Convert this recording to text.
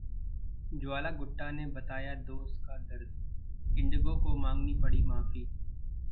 ज्वाला गुट्टा ने बताया दोस्त का दर्द, इंडिगो को मांगनी पड़ी माफी